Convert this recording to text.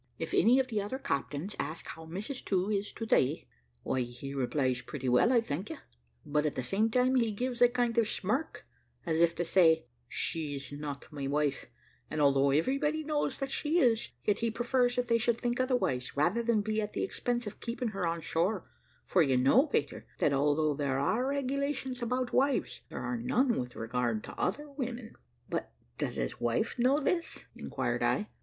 If any of the other captains ask how Mrs To is to day, `Why,' he replies, `pretty well, I thank you,' but at the same time he gives a kind of smirk, as if to say, `She is not my wife;' and although everybody knows that she is, yet he prefers that they should think otherwise, rather than be at the expense of keeping her on shore: for you know, Peter, that although there are regulations about wives, there are none with regard to other women." "But does his wife know this?" inquired I.